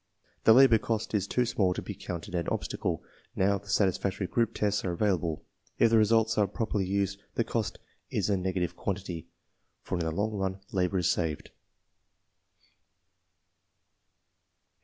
The labor cost is too small to be counted an obstacle, now that satisfactory group tests are avail able. If the results are properly used, the cost is a nega tive quantity, for in the long run labor is saved.